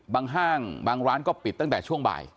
ห้างบางร้านก็ปิดตั้งแต่ช่วงบ่าย